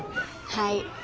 はい。